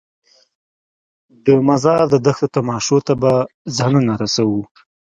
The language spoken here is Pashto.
د مزار د دښتو تماشو ته به ځانونه رسوو.